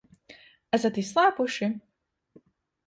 Esat izslāpuši?